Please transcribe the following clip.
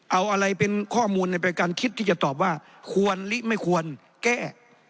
เอาอะไรเป็นข้อมูลในการคิดที่จะตอบว่าควรลิไม่ควรแก้